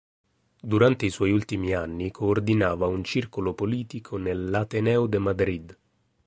Durante i suoi ultimi anni coordinava un circolo politico nell"'Ateneo de Madrid".